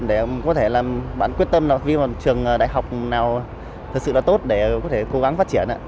để có thể làm bạn quyết tâm vì một trường đại học nào thật sự là tốt để có thể cố gắng phát triển ạ